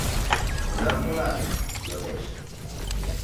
— Кунам толат? — йодеш.